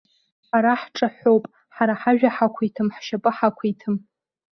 Ҳара ҳҿаҳәоуп, ҳара ҳажәа ҳақәиҭым, ҳшьапы ҳақәиҭым.